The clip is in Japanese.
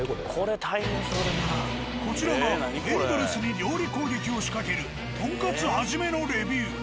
こちらがエンドレスに料理攻撃を仕掛ける「とんかつ一」のレビュー。